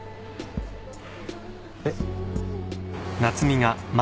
えっ？